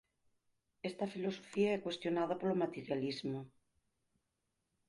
Esta filosofía é cuestionada polo materialismo.